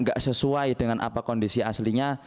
nggak sesuai dengan apa kondisi aslinya